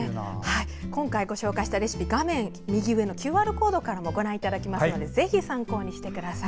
今回ご紹介したレシピは画面右上のＱＲコードからもご覧になれますのでぜひ参考にしてください。